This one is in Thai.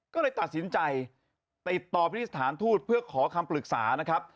ก็เลยตัดสินใจติดต่อไปที่สถานทูตเพื่อขอคำปรึกษานะครับ